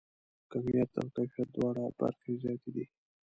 کیمیت او کیفیت دواړه برخې زیاتې دي.